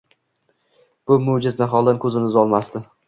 bu mo‘jaz niholdan ko‘zini uzolmasdi.